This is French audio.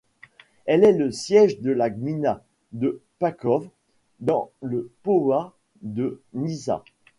Elle est le siège de la gmina de Paczków, dans le powiat de Nysa.